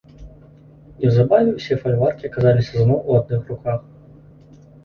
Неўзабаве ўсе фальваркі аказаліся зноў у адных руках.